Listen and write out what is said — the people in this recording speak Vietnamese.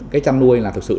cái chăm nuôi là thực sự